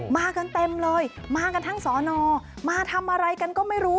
มากันเต็มเลยมากันทั้งสอนอมาทำอะไรกันก็ไม่รู้